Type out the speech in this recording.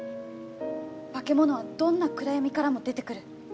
「化け物はどんな暗闇からも出てくる」